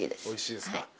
おいしいですか。